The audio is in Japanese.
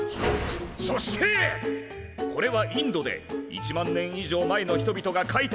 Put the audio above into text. そしてこれはインドで１万年以上前の人々がかいたとされる壁画。